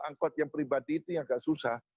angkut yang pribadi itu agak susah